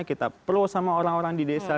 kita pro sama orang orang di desa